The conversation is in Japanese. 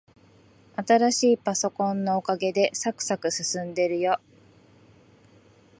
新しいパソコンのおかげで、さくさく進んでるよ。